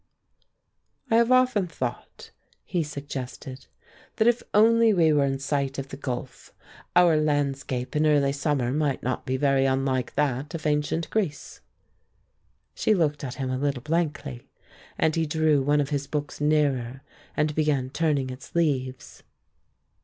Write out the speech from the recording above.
"I have often thought," he suggested, "that if only we were in sight of the Gulf, our landscape in early summer might not be very unlike that of ancient Greece." She looked at him a little blankly, and he drew one of his books nearer and began turning its leaves.